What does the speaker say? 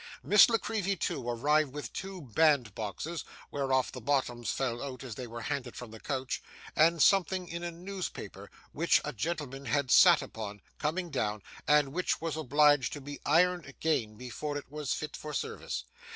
Miss La Creevy, too, arrived with two bandboxes (whereof the bottoms fell out as they were handed from the coach) and something in a newspaper, which a gentleman had sat upon, coming down, and which was obliged to be ironed again, before it was fit for service.